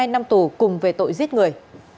một mươi hai năm tù cùng về tội giết người